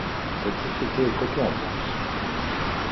Cette société est cotée en bourse.